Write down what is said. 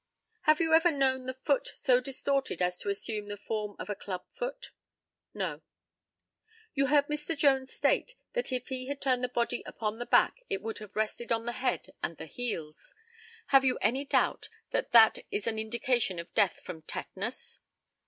Have you ever known the foot so distorted as to assume the form of a club foot? No. You heard Mr. Jones state that if he had turned the body upon the back it would have rested on the head and the heels. Have you any doubt that that is an indication of death from tetanus?